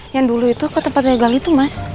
yang dulu itu ke tempatnya gali itu mas